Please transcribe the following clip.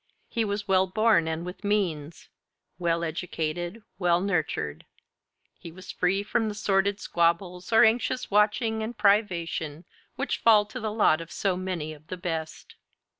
He was well born and with means, well educated, well nurtured. He was free from the sordid squabbles or anxious watching and privation which fall to the lot of so many of the best.